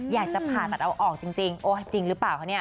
อยากจะผ่าตัดเอาออกจริงโอ้ยจริงหรือเปล่า